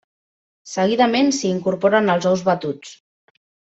Seguidament s'hi incorporen els ous batuts.